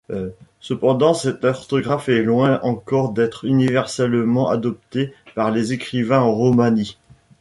Cependant cette orthographe est loin encore d’être universellement adoptée par les écrivains en romani.